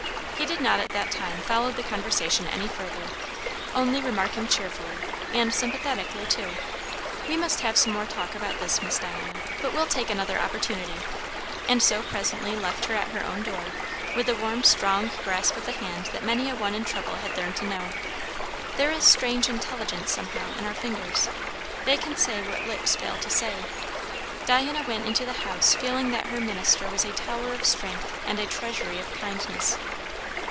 He did not at that time follow the conversation any further; only remarking cheerfully, and sympathetically too, "We must have some more talk about this, Miss Diana; but we'll take another opportunity," and so presently left her at her own door, with the warm, strong grasp of the hand that many a one in trouble had learned to know. There is strange intelligence, somehow, in our fingers. They can say what lips fail to say. Diana went into the house feeling that her minister was a tower of strength and a treasury of kindness.